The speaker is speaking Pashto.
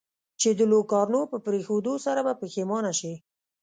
چې د لوکارنو په پرېښودو سره به پښېمانه شې.